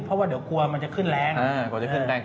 เพราะว่าเดี๋ยวกลัวมันจะขึ้นแรง